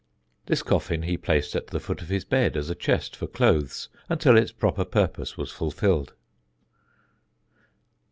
This coffin he placed at the foot of his bed as a chest for clothes until its proper purpose was fulfilled.